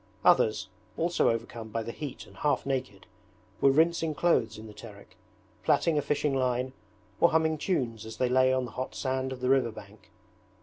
Others, also overcome by the heat and half naked, were rinsing clothes in the Terek, plaiting a fishing line, or humming tunes as they lay on the hot sand of the river bank.